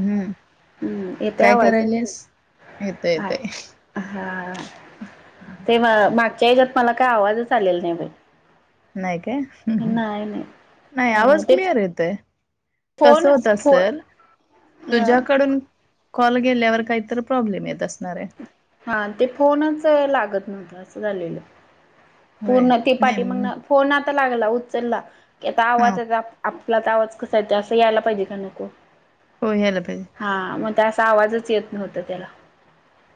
हम्म हम्म येतोय काय आवाज करायलीस. येतं हाय येतंय. हा ते म मागच्या याच्यात मला काय आवाजच आलेला नाही बाई. नाही काय. नाही नाही आवाज ते क्लियर येतोय. कस फोन होत फो असेल तुझ्याकडून कॉल गेल्यावर काहीतर प्रॉब्लेम येत अस हा ते फोनच लागत नव्हता असं झालेलं. होय पूर्ण ती नाही पाठी म, मगन फोन लागला उचलला की आता हा आवाज य आपला तर आवाज कसा येत असं यायला पाहिजे का नको. हो यायला पाहिजे हा मग त्या असा आवाजच येत नव्हता त्याला.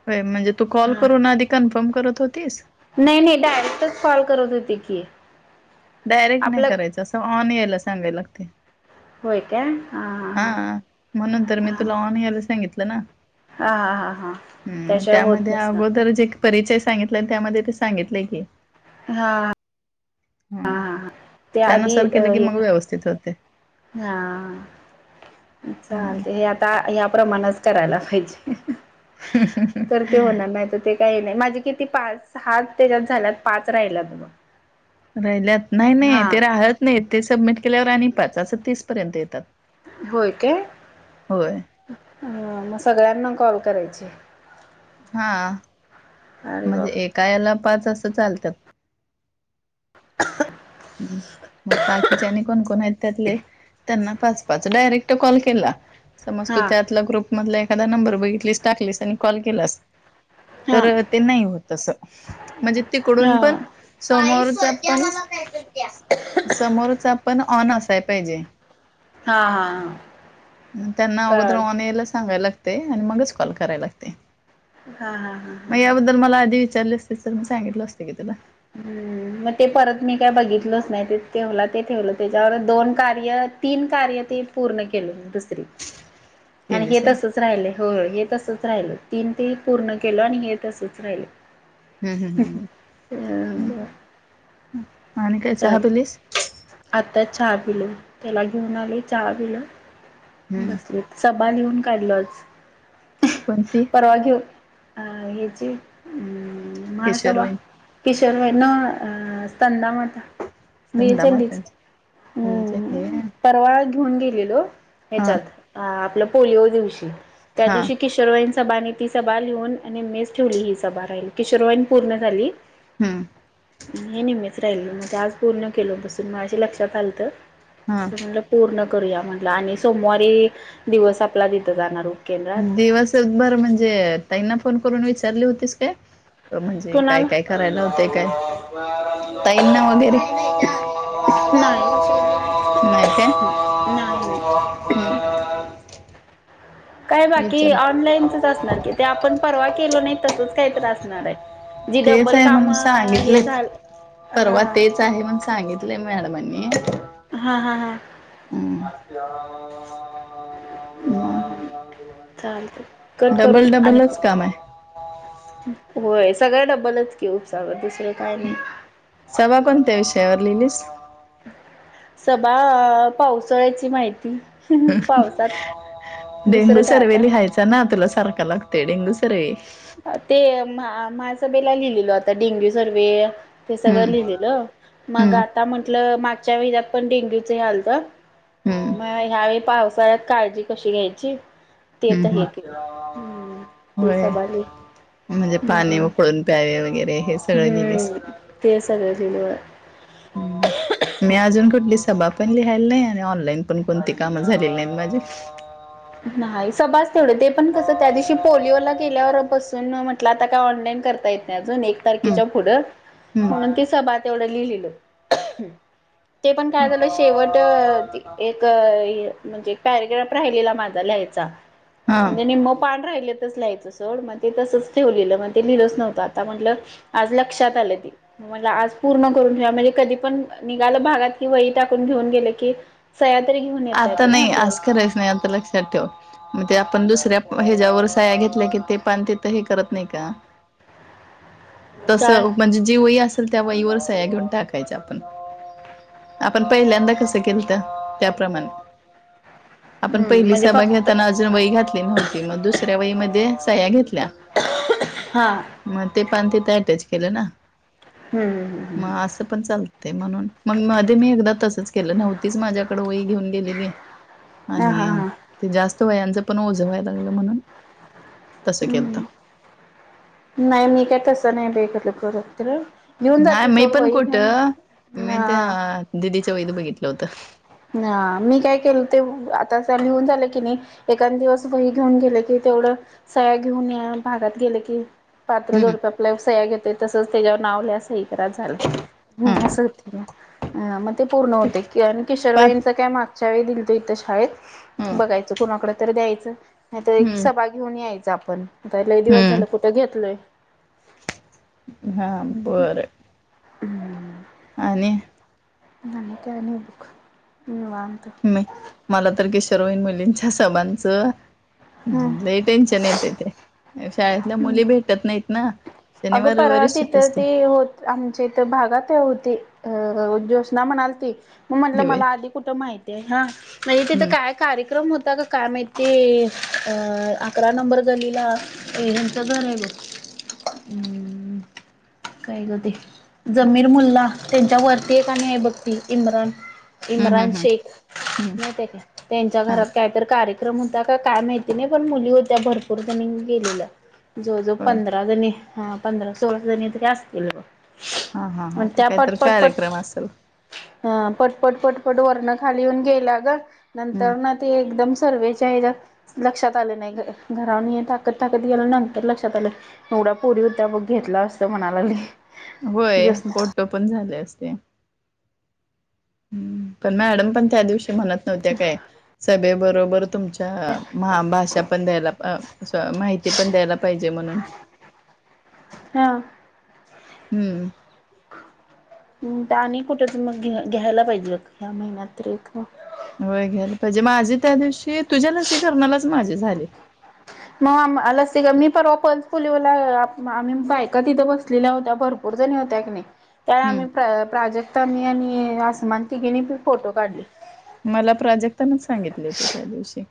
होय म्हणजे तू कॉल हा करून आधी कन्फर्म करत होतीस. नाही नाही डायरेक्टच कॉल करत होते की डायरेक्ट नाही आपलं करायचं, असं ऑन यायला सांगायला लागतय. होय का. हा म्हणून तर मी तुला ऑन यायला सांगितलं ना. हा हा हा हा हम्म त्याशिवाय होत त्यामध्ये नसणार अगोदर जे परिचय सांगितला अन त्यामध्ये ते सांगितलेय हे. हा. हा हा त्या आधी त्यानुसार केलं की हे मग व्यवस्थित होते हा हम्म चालतय आता या प्र्रमाणच करायला पाहिजे. तर ते होणार नाही तर ते. काही नाही माझे किती पाच सहा त्याच्यात झाल्यात पाच राहिलात राहिल्यात नाही नाही ते राहत नाही ते सबमिट केल्यावर आणि पाच असं तीस पर्यंत येतात. होय काय होय अ मग सगळ्यांना कॉल करायची. हा म्हणजे बाप एका याला पाच अस चालत्यात. [inaudible] हम् मग बाकीच्यानी आणि कोण कोण आहेत त्यातले त्यांना पाच पाच डायरेक्ट कॉल केला समज तू हां त्या ग्रुपमध एखादा नंबर बघितलीस, टाकलीस आणि कॉल केलास हां तर ते नाही होत अस. म्हणजे हां तिकडून पण हां समोरच पण समोरचा पण ऑन असाय पाहिजे. हां हां म त्यांना अगोदर कळाल ऑन यायला सांगायला लाग ते आणि मगच कॉल कराय लागते. हा हा हा हा. चाले असते तर मी सांगितलं असते की तुला. हम्म. मग ते परत मी काय बघितलच नाही ते ठेवलं ते ठेवलं त्याच्यावर दोन कार्य तीन कार्य. ते पूर्ण केल दुसरी आणि हे केलीस आहे. तसच राहिलं हो हे तसच राहिल. तीन ते पूर्ण केलं आणि हेेत असच राहिल. हम् हम् हम् हम. हम. आणि काय चहा पलीस. आता चहा पिले त्याला घेऊन आले चहा पिलं हम्म. बसले. लिहून काढलच कोणती परवा घेऊ. ह्याची किशोर मासभा वईन किशोरभईन. स्तंद म. संधा वीरचलीच मातांची हम परवा घेऊन गेली. आप हा प दि हा त्याव क. सभानी ती सभा लिहून आणि मेच ठेवली ही सभा राहिली किशोरवाईन पूर्ण झाली. हम्म हे नि मच राहिल म. पूर्ण केलं होतं सग माझ्या लक्षात आलत, हा म्हणल पूर्ण करूया म्हटलं आणि सोमवारी दिवस आपला तिथं जाणार. उपकेंद्रात दिवसभर म्हणजे, ताईंना फोन करून विचारली होतीस काय? म्हणजे काय कुणाला काय करायला लावत्याय काय? ताईना वगैरे. नाही नाही काय नाही नाही. हम्म काय बाकी विचार ऑनलाईनचच असणार कि, ते आपण परवा केलो नाही, तसच काही आसणारय. जी तेच डब्बल आहे काम म्हणून हे सांगितलंय. झालं. परवा हा तेच आहे म्हणून सांगितले मॅडमांनी, हा हा हा हम्म. ह [unintelligible] ह् चालत कट करून डबल आणि डबलच काम आहे होय सगळ डब्बलच घेऊ सग दिस. सभा पण त्या विषयावर लिहिलीस. सभा पावसाळ्याची माहिती. पावसात डेंगू दुसरं काय सर्वे आता लिहायचा ना तुला. सरकाल लागत हिंगु सर. ते मा माहा सभेला लिहिलेल होता, डेंग्यू सर्वे. ते सगळं हम्म लिहिलेलं, मग हम्म आता म्हटलं मागच्या वेळेला पण डेंग्यूच हे आलत. हम्म मग ह्यावेेळी पावसाळ्यात काळजी कशी घ्यायची. ते तर हम्म हम्म. हे केलं हम्म ते होय. सभाले म्हणजे पाणी हम्म उकळून प्यावे वगैरे. हे सगळं लिहिलीस हम्म ते सगळ दिले. मी अजून कुठलीच सभाप पण लिहायला नाही, आणि ऑनलाईन पण कोणती काम झालेली नाही माझे. नाही सभाच तेवढे ते पण कसं त्या दिवशी पोलिओला गेल्यावर बसून म्हटलं, आता काय ऑनलाईन करता येत नाही अजून, एक हम्म. तारखेच्या पुढं. म्हणून हम्म. तिचं बा तेवढं लिहिलेलं. ते पण काय झालं शेवट एक, म्हणजे पॅरेग्राफ राहिलेला माझा. लिहायचा, हा नाही नाही म पा राहि तर लहायचं सोड, मग ते तंच ठेवलेलं मग ते लिहिलंच नव्हतं, आता म्हटलं आज लक्षात आलं. आज पूर्ण करून ठेवा, म्हणजे कधी पण निघाल भागात की वही टाकून घेऊन गेलं की, सया आता नाही, आज करायच नाही, आता लक्षात ठेव, ते आपण दुसऱ्या ह्याच्यावर साह्या घेतल्या की, ते पान तेथ हे करत नाही का? तस काय म्हणजे जे वई अस त्या वहीवर सया घेऊन टाकायच्या आपण आपण पहिल्यांदा कस केलत त्या प्रमाण. आपण हम्म पहिली म्हणजे सभा फक्त घेताना अजून वय घातली नव्हती मग दुसऱ्या वय म सहाह्या घेतल्या. हा मग ते पान तिथं अटॅच केलं ना? हम्म हम्म हम्म हम ते म्हणून मग मध्ये मी एकदा तसंच केलं नव्हतीच माझ्याकडे वई घेऊन गेल्यानि ह हा आणि हा ते जास्त वह्यांच पण ओझ व्हायला लागलं म्हणून तसं केलं हम्म नाही मी काय तसं नाही ब नाही मी पण कोठं मी त्या ह दिदीच्या वईत बघितलं होतं. ह मी काय केल ते आता लिहून झाले की नाही ए दिवस वही घेऊन गेले की ते तेथोडं सया घेऊन या भागात गेलं की पात्र हम्म जोडपे आपल्या सया्या घेते तसच त्याच्यावर नाव लिहा सही हा हो मग ते पूर्ण होते क पाच किशोरवांच काय मागच्या वेळी दिलतो इथं शाळेत हम्म बघायचं कुणाकड तर द्यायचं नाही तर एक हम्म सभा घेऊन यायच आपण लही दिवस झालं हम्म कुठं घेतलोय? हा बरं. हम्म. आणि आणि काही नाही निवांत. मला तर किशोरवयीन मुलींच्या सामानच हम्म ते टेन्शन येत आहे ते शाळेतल्या मुली भेटत नाहीत ना. अगं शनिवार परवा रविवारी सुट्टी तिथं असते ते होत आमच्या इथ भागात होती. अ उ ज्योशना म्हणालती मग म्हटलं घेऊया. मला आधी कुठं माहिती आहे हा म्हजे तिथे हम्म काय कार्यक्रम हो ता ग काय माहिती की अकरा नंबर लीहीला यांचं घर आहे. [inaudible] काही गते जमीर मुल्ला त्यांच्या वरती एक आणि आहे बघतील इम्रान हम्म इम्रान हम्म हम्म शेख हम्म माहीत आहे का त्यांच्या हा घरात कार्यक्रम. विक्रम होता का काय माहिती नाही पण मुली होत्या भरपूर जणी गेलेल्या जो जव होय पंधरा जणी हा पंधरा, सोळा जणी तरी असतील ब हा हा हा ठीकय तर काय कार्यक्रम असेल. ह पटपट पटपट वरण खाली येऊन गेला ग हम्म नंतर ना ते एकदम सर्वेच्या हेच्या लक्षात आलं नाही घरातून ये टाकत टाकत गेलो ना नंतर लक्षात आलं एवढा. पुरी हो त्या बग घेतला असतं म्हणालागली होय फोटो पण झाले असते. पण मॅडम पण त्या दिवशी म्हणत नव्हत्या काय सगळे बरोबर तुमच्याहा भाषा पण द्यायला माहिती पण द्यायला पाहिजे म्हणून. हा. हम्म. आणि कुठे त मग घ्यायला पाहिजे ह्या महिन्यात तरी होय घ्याला पाहिजे माझी त्या दिवशी तुझ्या लसीकरणालाच माझे झाले. म मलाच तीला मी परवा पल्स फलीवला आम्ही बायक इथं बसलेल्या होत्या भरपूर होत्या हाय की नाही. त्यावे हम्म आम्ही प्राजक्तनी, मी आणि आसमा तिघेनी फोटो काढले. मला प्रोजेक्टनेच सांगितली होती त्या दिवशी.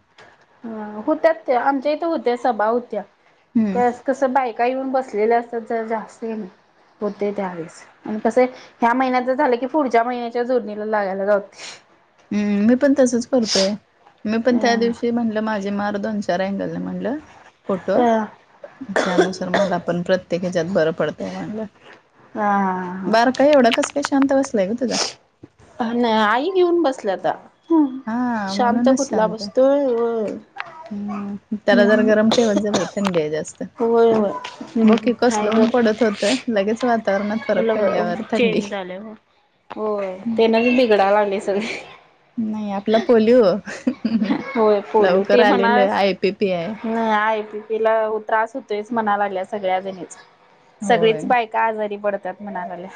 ह होत्या त्या आमच्या इथे होत्या सभा होत्या हम्म कस कस बाय का येऊन बसलेले असतात जर जास्ती होते त्यावेळेस आणि कस ह्या महिन्यात झालं की पुढच्या महिन्याच्या जोडणीला लागायला हम्म मी पण तसच करतोय मी पण त्या अ दिवशी म्हणलं माझी मार दोन, चार आहे त्यालि म्हणलं. फोटो त्यानुसार मला पण प्रत्येक ह्याच्यात बरं पडतंय म्हणलं. हा बारका एवढा कस काय शांत बसलाय ग तुझा? नाही आई घेऊन बसल आता. हम हा शांत म्हणूनच कुठला शांत आहे. बसतोय हम्म त्याला जर गरम ठेवत जा बाई थंडी आहे जास्त. होय होय बकी नाही कसलं ग उन्ह पडत होतं लगेच. वातावरणात फरक पडल्यावर थंडी. चेंज झालं म हो ते नविन बिगडा लागले सगळे नाही आपला पोलीयो. होय फोलू ते पण आहे आय पी पी आय. नाही आहे. तिला त्रास होतोय म्हणा लागल्या सगळ्या जणी होय सगळीच बायका आजारी पडत त्यात म्हना झाले [unintelligible]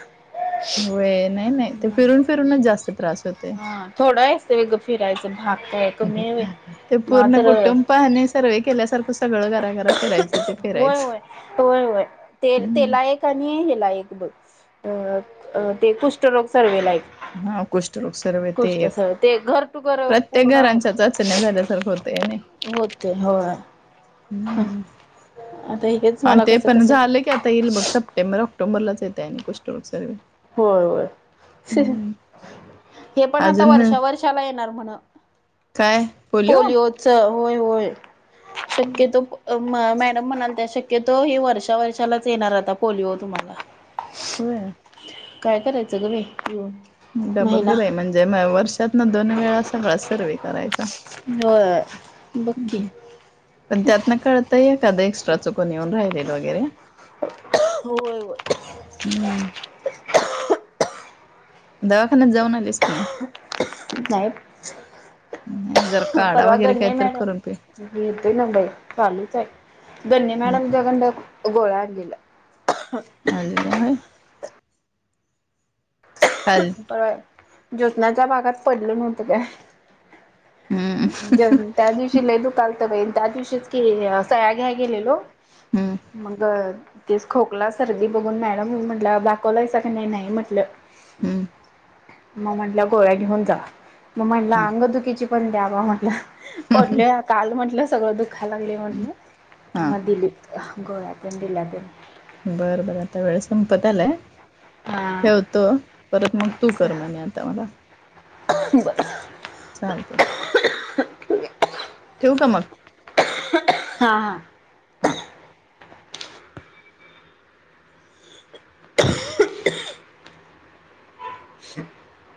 होय नाही नाही ते फिरून फिरूनच जास्त त्रास होतोय. हा थोडाच आहे ग फिरायच भागत्याय. ते पूर्ण कुटुं पाहने सर्वे केल्यासारखं सगळं घराघर फिरायचं ते फिरायचं होय, होय, होय, होय ते हम्म तेला एक आणि हेला एक बघ अ अ ते कुष्ठरोग सर्वे ला एक हा कुष्ठ सर्व ते कुष्ठ येत सर्वे ते घर टू घर प्रत्येक पूर्ण घरांच्या होत चाचण्या झाल्यासारखं होतय नाही होते होय ह अता हेकच आणि ते पण झालं की आता येईल बघ सप्टेंबर ऑक्टोबरलाच येते आणि कुष्टग सर् होर बर. हे पण आता अजून वर्षा वर्षाला येणार म्हण. काय बोलो. पोलिओच होय होय शक्यतो. मॅडम म्हणा त्या शक्यतो हे वर्षा वर्षालाच येणार आता पोलिओ तुम्हाला होय. काय करायचं ग बाई डबल महिना ग बाई म्हणजे वर्षातना दोन वेळा सगळा सर्वे करायचा. होय बक्की पण त्यात ना कळताय? त्या एक्स्ट्रा चुकून येऊन राहिले वगैरे होय, होय, हम्म दवाखान्यात जाऊन आलेस का नाही? नाही नाही जर काढा परवा वगैरे गण नाही काहीतरी करून पी मॅडम गेलतेन बाई चालूच आहे. दन्ने मॅडमच्या कढणं गोळ्या आणलेल्या अज का्या हो चालेल. ब ज्योत्नाच्या भागात पडल नव्हतं काय हम्म त्या दिवशी ल दुकालत बईन त्या दिवशीच के सया घ्या गेलेलो हम्म मग तेच खोकला सर्दी बघून मॅडम म्हटला दाखवलायचा की नाही नाही म्हटलं. हम्म. मग म्हटलं गोळ्या घेऊन जा मग म्हटलं हा अंगदुकीीची पण द्या बा म्हटलं. पडल काल म्हंटलं सगळं दुःखा लागले म्हंटलं हा मग दिलीप गोव्यातून दिलातून बरं बरं आता वेळेस संपत आलाय. हा ठेवतो परत मग तू कर म्हणे आता मला बर. चालते ठेव का मग हां हां. हा. [unintelligible] [unintelligible]